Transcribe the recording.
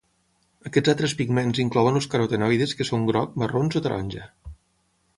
Aquests altres pigments inclouen els carotenoides que són groc, marrons o taronja.